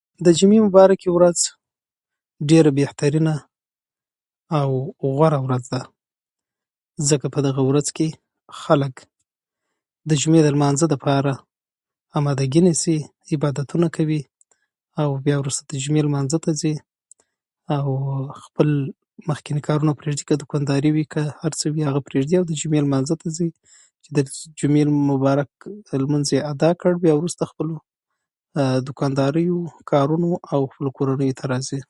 د جمعې مبارکه ورځ ډیره بهترینه او غوره ورځ ده ځکه په دغه ورځ کې خلک د جمعې د لمانځه لپاره آماده کې نیسي عبادتونه کوي او بیا وروسته د جمعې لمانځه ته ځي او خپل مخکیني کارونه پريږدي که دوکانداري وي هر څه وي او د جمعې لمانځه ته ځي چې د جمعې مبارک لمونځ يې ادا کړ بیا وروسته خپل دوکانداریو کارونو او خپلو کورنیو ته راځي